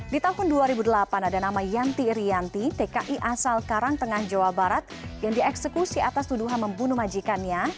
di tahun dua ribu delapan belas ada yanti ryanti tki asal karang tengah jawa barat yang dieksekusi atas tuduhan membunuh majikan perempuannya dengan pisau